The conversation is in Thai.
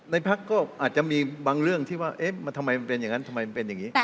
พักก็อาจจะมีบางเรื่องที่ว่าทำไมมันเป็นอย่างนั้นทำไมมันเป็นอย่างนี้